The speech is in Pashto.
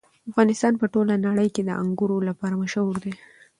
افغانستان په ټوله نړۍ کې د انګور لپاره مشهور دی.